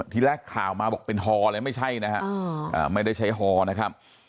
ทีแรกข่าวมาบอกเป็นฮอเลยไม่ใช่นะฮะไม่ได้ใช้ฮอนะครับ